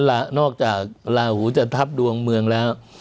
ล่ะนอกจากลาหูจะทับดวงเมืองแล้ว